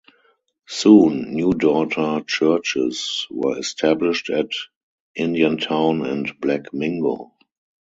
Soon new daughter churches were established at Indiantown and Black Mingo.